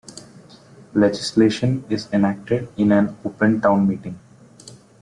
Legislation is enacted in an Open Town Meeting.